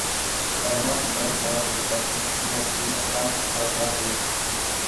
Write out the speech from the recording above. Además, con cada entrada se reparte una Estrella Damm para cada persona.